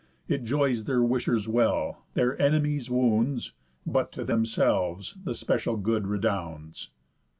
It joys their wishers well, their enemies wounds, But to themselves the special good redounds."